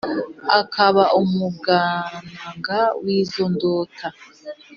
akaba umuganaga w' izo ndota.